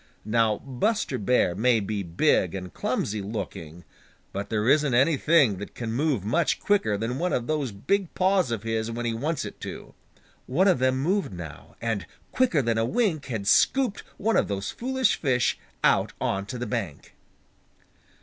Now Buster Bear may be big and clumsy looking, but there isn't anything that can move much quicker than one of those big paws of his when he wants it to. One of them moved now, and quicker than a wink had scooped one of those foolish fish out on to the bank.